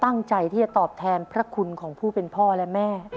ตั้งใจที่จะตอบแทนพระคุณของผู้เป็นพ่อและแม่